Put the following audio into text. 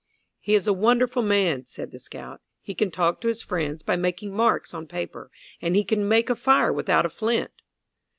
"He is a wonderful man," said the scout. "He can talk to his friends by making marks on paper, and he can make a fire without a flint."